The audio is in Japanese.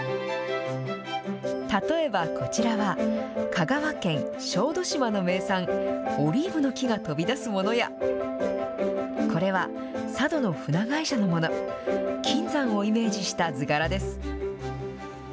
例えばこちらは、香川県小豆島の名産、オリーブの木が飛び出すものや、これは佐渡の船会社のもの、金山をイメージした図柄です。